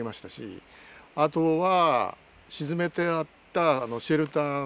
あとは。